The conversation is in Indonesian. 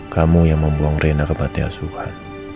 kamu yang membuang rena ke pantai asuhan